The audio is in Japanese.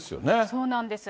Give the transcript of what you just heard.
そうなんです。